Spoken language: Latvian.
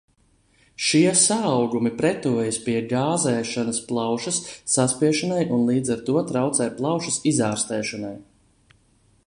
Šie saaugumi pretojas pie gāzēšanas plaušas saspiešanai un līdz ar to traucē plaušas izārstēšanai.